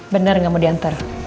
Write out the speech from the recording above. benar gak mau diantar